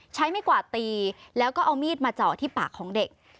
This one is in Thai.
ใช้ไม่กวาดตีแล้วก็เอามีดมาเจาะที่ปากของเด็ก